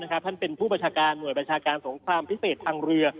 ท่านเป็นผู้บัญชาการหน่วยบัญชาการสงครามพิเศษทางเรือ